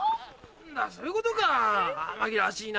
何だそういうことか紛らわしいな。